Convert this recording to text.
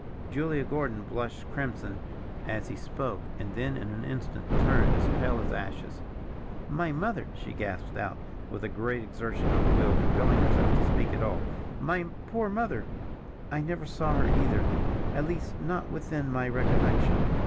Julia Gordon blushed crimson as he spoke, and then in an instant turned as pale as ashes. "My mother!" she gasped out, with a great exertion of the will compelling herself to speak at all. "My poor mother, I never saw her either, at least not within my recollection.